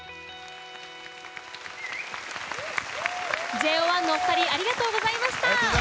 ＪＯ１のお二人ありがとうございました。